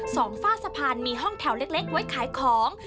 ฝ้าสะพานมีห้องแถวเล็กไว้ขายของ